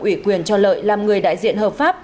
ủy quyền cho lợi làm người đại diện hợp pháp